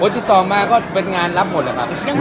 เออจิตต่อมาก็เป็นงานรับหมดเลยครับมีเป็นออนไอนะครับ